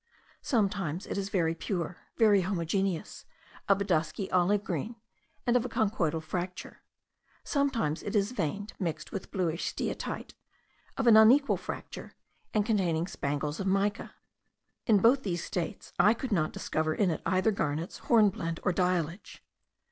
Sometimes it is very pure, very homogeneous, of a dusky olive green, and of a conchoidal fracture: sometimes it is veined, mixed with bluish steatite, of an unequal fracture, and containing spangles of mica. In both these states I could not discover in it either garnets, hornblende, or diallage.